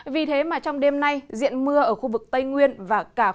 vì thế mà trong đêm nay diện mưa ở khu vực tây nguyên và cả khu vực tây nguyên